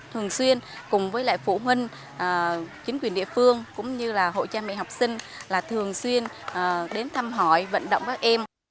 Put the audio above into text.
thường xuyên cùng với phụ huynh chính quyền địa phương hội trai mẹ học sinh thường xuyên đến thăm hỏi vận động các em